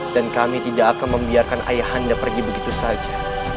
dan kami tidak akan membiarkan ayahanda pergi begitu saja